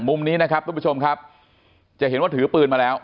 มุมนี้นะครับทุกผู้ชมครับจะเห็นว่าถือปืนมาแล้ว